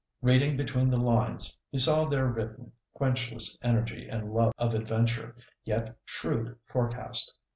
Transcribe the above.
Reading between the lines, he saw there written quenchless energy and love of adventure, yet shrewd forecast.